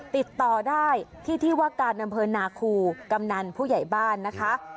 ติดต่อได้ที่ที่ว่าการอำเภอนาคูกำนันผู้ใหญ่บ้านนะคะ